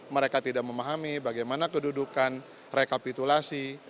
mereka tidak memahami bagaimana kedudukan rekapitulasi